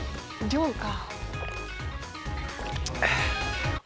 量か。